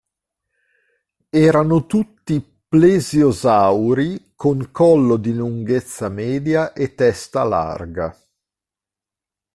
Erano tutti plesiosauri con collo di lunghezza media e testa larga.